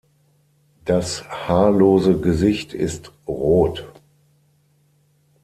Das haarlose Gesicht ist rot.